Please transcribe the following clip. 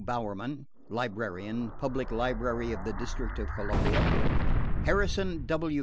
Bowerman, Librarian, Public Library of the District of Columbia; Harrison W.